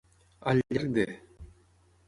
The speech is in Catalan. Al llarg de.